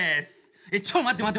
「えっちょう待って待って」